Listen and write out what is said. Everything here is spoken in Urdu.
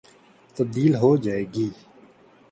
تبدیل ہو جائے گی۔